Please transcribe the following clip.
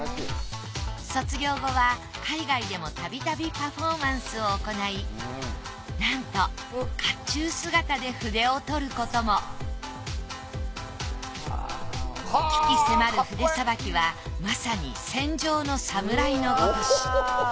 卒業後は海外でもたびたびパフォーマンスを行いなんと甲冑姿で筆をとることも鬼気迫る筆さばきはまさに戦場の侍のごとし。